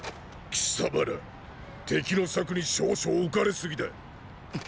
貴様ら敵の策に少々浮かれすぎだ。